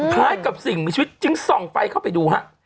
คล้ายกับสิ่งมีชีวิตจึงส่องไฟเข้าไปดูฮะ